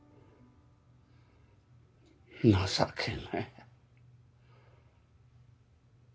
情けない。